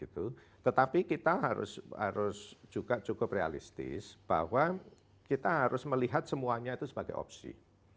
tetapi kita harus juga cukup realistis bahwa kita harus melihat semuanya itu sebagai opsi